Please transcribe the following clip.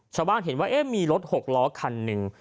ชาวบ้านเห็นว่ามีรถหกล้อคันหนึ่ง